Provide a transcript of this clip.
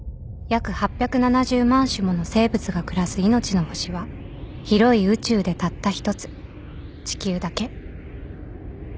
［約８７０万種もの生物が暮らす命の星は広い宇宙でたった一つ地球だけ］